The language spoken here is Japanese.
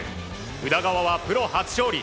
宇田川はプロ初勝利。